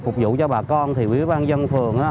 phục vụ cho bà con thì ủy ban nhân dân phường